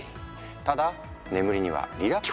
ただ眠りにはリラックスも大切。